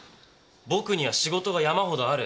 僕には仕事が山ほどある。